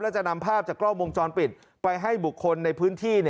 แล้วจะนำภาพจากกล้องวงจรปิดไปให้บุคคลในพื้นที่